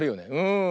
うん。